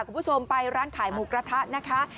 คุณผู้ชมไปร้านขายหมูกระทะนะคะ